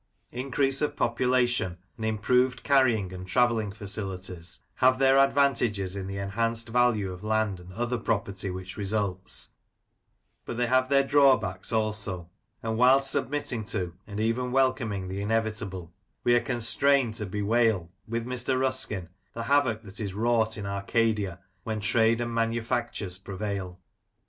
Increase of population, and improved carrying and travelling facilities have their advantages in the en hanced value of land and other property which results ; but they have their drawbacks also; and whilst submitting to, and even welcoming, the inevitable, we are constrained Rossendale: Past and Present 83 to bewail, with Mr. Ruskin, the havcx: that is wrought in Arcadia when trade and manufactures prevail.